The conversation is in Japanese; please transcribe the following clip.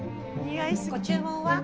ご注文は？